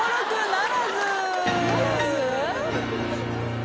ならず？